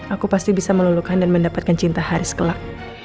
aku pasti bisa melulukan dan mendapatkan cinta haris kelak